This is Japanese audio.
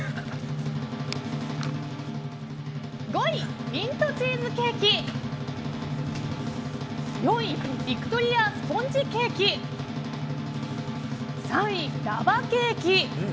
５位、ミントチーズケーキ４位ヴィクトリアスポンジケーキ３位、ラバケーキ。